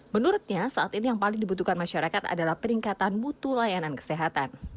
menurutnya saat ini yang paling dibutuhkan masyarakat adalah peningkatan mutu layanan kesehatan